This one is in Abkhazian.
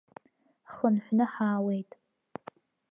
Ҳхынҳәны ҳаауеит.